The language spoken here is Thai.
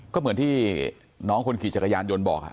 ก็เหมือนที่น้องคนขี่จักรยานยนต์บอก